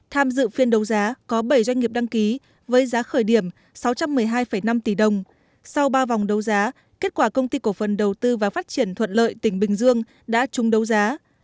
tham dự phiên đấu giá có bảy doanh nghiệp đăng ký với giá khởi điểm sáu trăm một mươi hai năm tỷ đồng sau ba vòng đấu giá kết quả công ty cổ phần đầu tư và phát triển thuận lợi tỉnh bình dương đã chung đấu giá